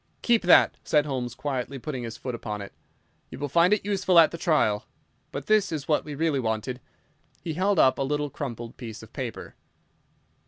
"Keep that," said Holmes, quietly putting his foot upon it; "you will find it useful at the trial. But this is what we really wanted." He held up a little crumpled piece of paper.